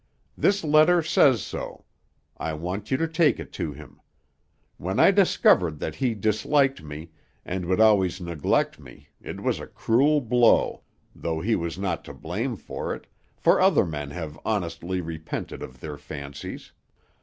This letter says so; I want you to take it to him. When I discovered that he disliked me, and would always neglect me, it was a cruel blow, though he was not to blame for it, for other men have honestly repented of their fancies.